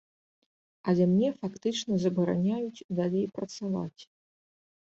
Але мне фактычна забараняюць далей працаваць.